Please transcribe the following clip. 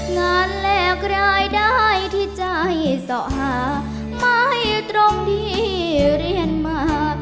แลกรายได้ที่ใจส่อหาไม่ตรงที่เรียนมา